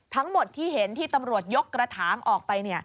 ทั้งหมดที่เห็นที่ตำรวจยกกระถางออกไป